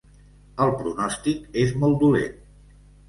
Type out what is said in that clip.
El pronòstic és molt dolent.